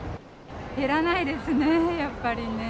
減らないですね、やっぱりね。